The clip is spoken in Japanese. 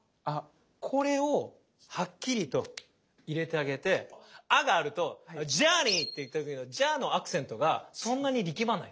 これをはっきりと入れてあげて「Ａ」があると「Ａｊｏｕｒｎｅｙ」って言った時の「ｊｏｕｒ」のアクセントがそんなに力まない。